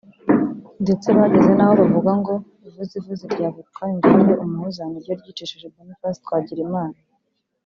ndetse bageze naho bavuga ngo “ivuzi vuzi rya Victoire Ingabire Umuhoza niryo ryicishije Boniface Twagirimana”